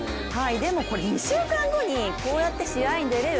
でもこれ、２週間後にこうやって試合に出られる。